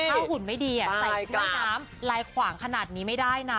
ถ้าหุ่นไม่ดีใส่เสื้อน้ำลายขวางขนาดนี้ไม่ได้นะ